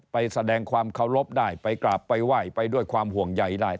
ไปแสดงความเคารพได้ไปกราบไปไหว้ไปด้วยความห่วงใยได้